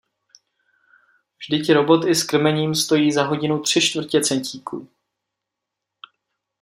Vždyť Robot i s krmením stojí za hodinu tři čtvrtě centíku!